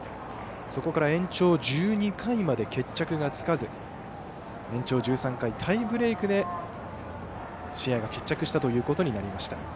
そこから延長１２回まで決着がつかず延長１３回、タイブレークで試合が決着したということになりました。